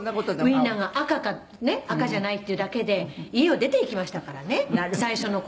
「ウィンナーが赤かねっ赤じゃないっていうだけで家を出て行きましたからね最初の頃」